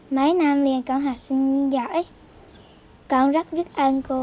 mấy năm liền con học sinh giỏi con rất biết ơn cô